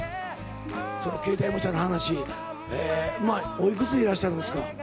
その形態模写の話、今、おいくつでいらっしゃるんですか？